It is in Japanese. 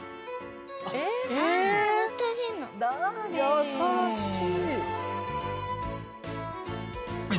優しい！